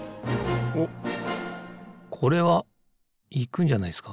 おっこれはいくんじゃないですか